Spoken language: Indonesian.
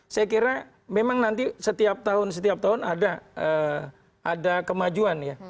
saya kira memang nanti setiap tahun setiap tahun ada kemajuan ya